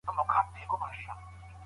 اقتصادي پوهه د هر چا لپاره ضروري ده.